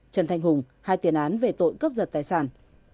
trần thanh hùng hai tiền án về tội cướp giật tài sản